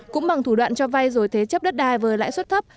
cũng bằng thủ đoạn cho vay rồi thế chấp đất đai với lãi suất thấp